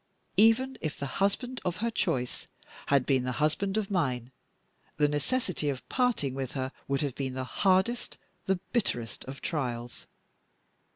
Even if the husband of her choice had been the husband of mine, the necessity of parting with her would have been the hardest, the bitterest of trials.